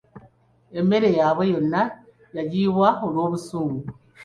Emmere yaabwe yonna yagiyiwa olw’obusungu.